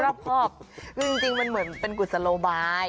ครบเลยคือจริงมันเหมือนเป็นกุศลบาย